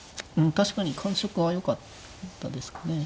確かに感触はよかったですかね。